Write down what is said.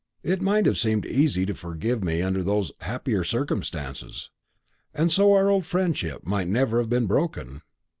It might have seemed easy to you to forgive me under those happier circumstances, and so our old friendship might never have been broken.